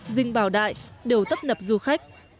dinh bảo đại đều tấp nập du khách